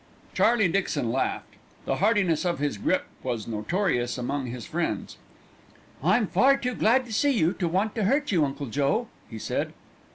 Charlie Dixon laughed. The heartiness of his grip was notorious among his friends. "I'm far too glad to see you to want to hurt you, Uncle Joe," he said.